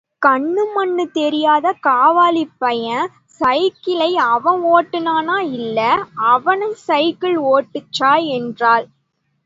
கண்ணு மண்ணு தெரியாத காவாலிப் பய... சைக்கிளை அவன் ஓட்டுனா இல்ல... அவனை சைக்கிள் ஓட்டுச்சுதா...? என்றாள்.